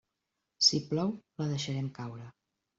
Si plou, la deixarem caure.